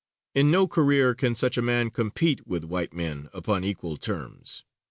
In no career can such a man compete with white men upon equal terms.